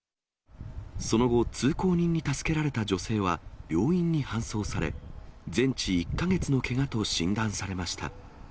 その後、通行人に助けられた女性は病院に搬送され、全治１か月のけがと診断されました。